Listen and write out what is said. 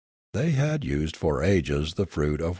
They had used for ages the fruit of